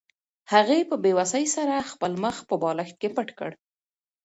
هغې په بې وسۍ سره خپل مخ په بالښت کې پټ کړ.